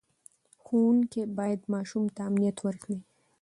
ښوونکي باید ماشوم ته امنیت ورکړي.